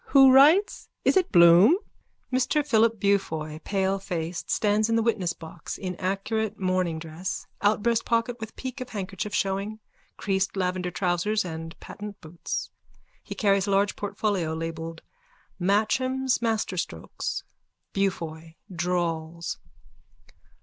Who writes? Is it Bloom? _(Mr Philip Beaufoy, palefaced, stands in the witnessbox, in accurate morning dress, outbreast pocket with peak of handkerchief showing, creased lavender trousers and patent boots. He carries a large portfolio labelled_ Matcham's Masterstrokes.) BEAUFOY: _(Drawls.)